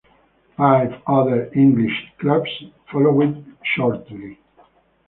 Five other English clubs followed shortly.